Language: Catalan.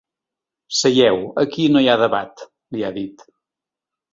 Seieu, aquí no hi ha debat, li ha dit.